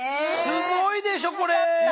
すごいでしょこれ。